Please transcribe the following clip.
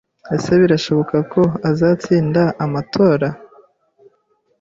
Ese birashoboka ko azatsinda amatora?